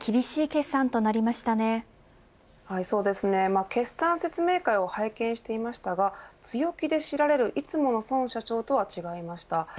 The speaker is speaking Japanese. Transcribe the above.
決算説明会を拝見していましたが強気で知られるいつもの孫社長とは違いました。